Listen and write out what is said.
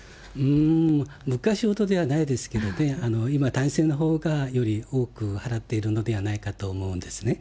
昔ほどないですけどね、今、男性のほうがより多く払っているのではないかと思うんですね。